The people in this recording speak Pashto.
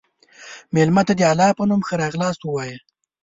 مېلمه ته د الله په نوم ښه راغلاست ووایه.